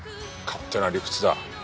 勝手な理屈だ。